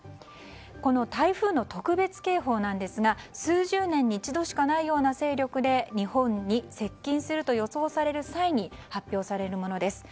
この台風の特別警報なんですが数十年に一度しかないような勢力で日本に接近すると予想される際に発表されるものです。